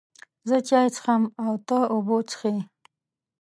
زه چای څښم او ته اوبه څښې